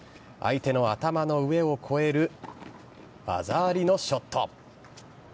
相手の頭の上を越える技ありのショット。